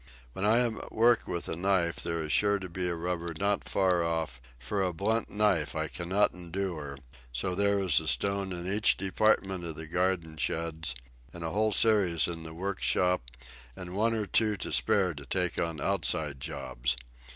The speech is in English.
Whenever I am at work with a knife there is sure to be a rubber not far off, for a blunt knife I cannot endure, so there is a stone in each department of the garden sheds, and a whole series in the workshop, and one or two to spare to take on outside jobs.